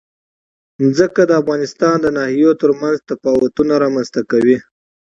ځمکه د افغانستان د ناحیو ترمنځ تفاوتونه رامنځ ته کوي.